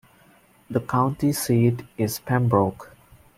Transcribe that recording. The county seat is Pembroke.